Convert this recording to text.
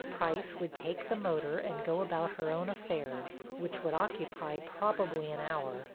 Price would take the motor and go about her own affairs, which would occupy probably an hour.